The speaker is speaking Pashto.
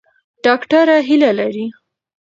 ډاکټره هیله لري.